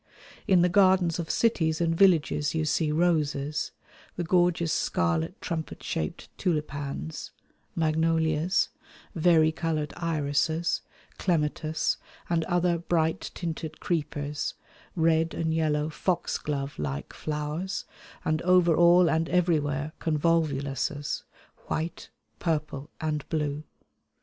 In the gardens of cities and villages you see roses, the gorgeous scarlet trumpet shaped tulipans, magnolias, vari coloured irises, clematis and other bright tinted creepers, red and yellow foxglove like flowers, and over all and everywhere convolvuluses, white, purple, and blue.